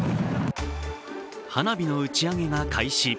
花火の打ち上げが開始。